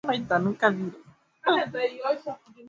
inaelezwa usafiri viwanda na huduma za shule